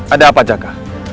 ada apa jaka